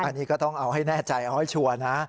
อันนี้ก็ต้องเอาให้แน่ใจเอาให้ชัวร์นะ